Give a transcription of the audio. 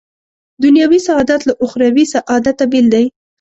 دنیوي سعادت له اخروي سعادته بېل دی.